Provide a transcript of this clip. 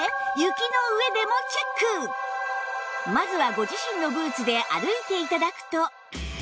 まずはご自身のブーツで歩いて頂くと